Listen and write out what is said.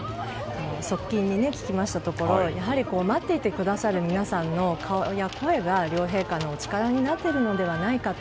側近に聞きましたところやはり、待っていてくださる皆さんの顔や声が両陛下のお力になっているのではないかと。